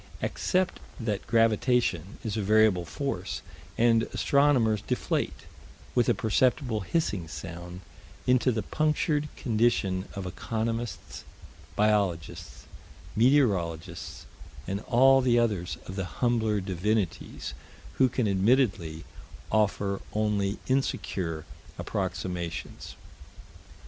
Accept that gravitation is a variable force, and astronomers deflate, with a perceptible hissing sound, into the punctured condition of economists, biologists, meteorologists, and all the others of the humbler divinities, who can admittedly offer only insecure approximations.